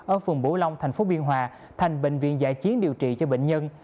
ở phường bủ long tp biên hòa thành bệnh viện giải chiến điều trị cho bệnh nhân